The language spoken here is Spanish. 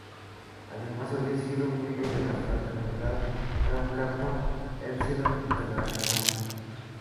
Además, había sido miembro de la Fraternidad Tau Kappa Epsilon International.